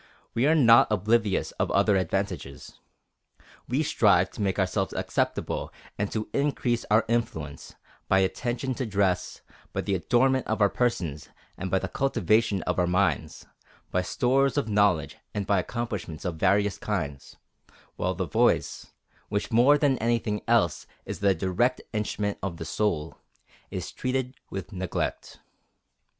We are not oblivious of other advantages. We strive to make ourselves acceptable and to increase our influence, by attention to dress, by the adornment of our persons, and by the cultivation of our minds, by stores of knowledge and by accomplishments of various kinds, while the voice, which more than anything else is the direct instrument of the soul, is treated with neglect.